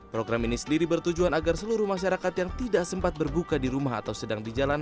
program ini sendiri bertujuan agar seluruh masyarakat yang tidak sempat berbuka di rumah atau sedang di jalan